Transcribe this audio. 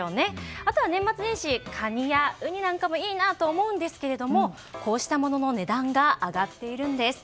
あとは年末年始カニやウニなんかもいいなと思うんですけれどもこうしたものの値段が上がっているんです。